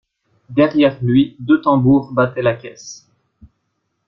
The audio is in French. Derrière lui, deux tambours battaient la caisse.